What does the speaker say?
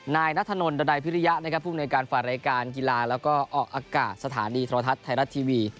นายนัทธนนดัยพิริยะนะครับภูมิในการฝ่ารายการกีฬาแล้วก็ออกอากาศสถานีโทรทัศน์ไทยรัฐทีวี